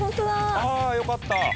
あよかった！